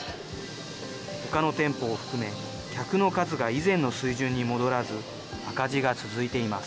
ほかの店舗を含め、客の数が以前の水準に戻らず、赤字が続いています。